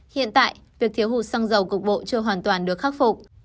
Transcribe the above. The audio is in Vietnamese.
hiện tại việc thiếu hụt xăng dầu cục bộ chưa hoàn toàn được khắc phục